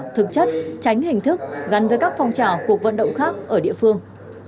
thực chất tránh hình thức gắn với các phong trào cuộc vận động khác ở địa phương